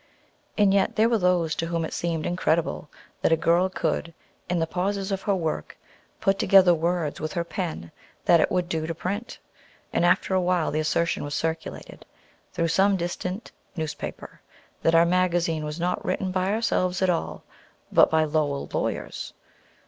And yet there were those to whom it seemed incredible that a girl could, in the pauses of her work, put together words with her pen that it would do to print; and after a while the assertion was circulated, through some distant newspaper, that our magazine was not written by ourselves at all, but by "Lowell lawyers."